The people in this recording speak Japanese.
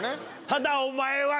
ただお前は。